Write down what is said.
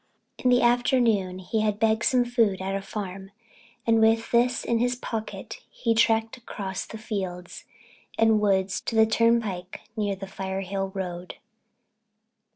In the afternoon he had begged some food at a farm and with this in his pocket he tracked across the fields and woods to the turnpike near the Firehill Road.